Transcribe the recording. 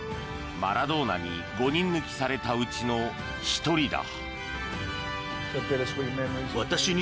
マラドーナに５人抜きされたうちの１人だ。